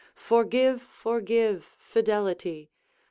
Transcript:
Forgive, forgive, Fidelity!